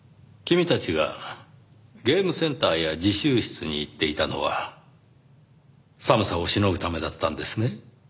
君たちがゲームセンターや自習室に行っていたのは寒さを凌ぐためだったんですね。